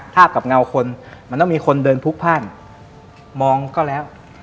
กับเงาคนมันต้องมีคนเดินพลุกพ่านมองก็แล้ว